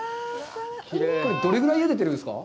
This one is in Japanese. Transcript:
これ、どれぐらいゆでているんですか？